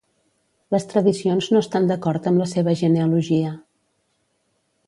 Les tradicions no estan d'acord amb la seva genealogia.